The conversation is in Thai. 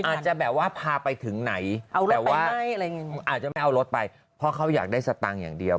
อาจจะแบบว่าพาไปถึงไหนแต่ว่าอาจจะไม่เอารถไปเพราะเขาอยากได้สตางค์อย่างเดียว